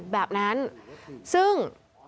แบบนั้นซึ่ง